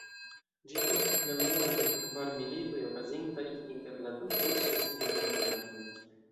Ĝi estis la unua el kvar militoj okazintaj inter la du ĵuse sendependaj landoj.